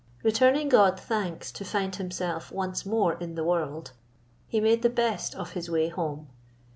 Returning God thanks to find himself once more in the world, he made the best of his way home.